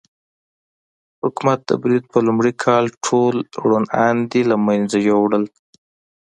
حکومت د برید په لومړي کال ټول روڼ اندي له منځه یووړل.